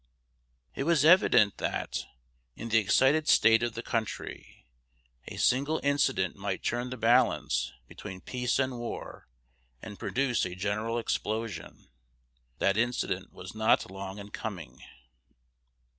_ It was evident that, in the excited state of the country, a single incident might turn the balance between peace and war and produce a general explosion. That incident was not long in coming.